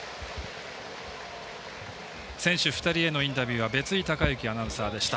選手２人へのインタビュー別井敬之アナウンサーでした。